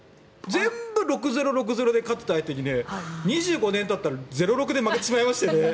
全部６対０で勝っていた相手に２５年たったら０−６で負けてしまいましたね。